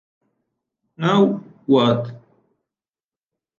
Now What?!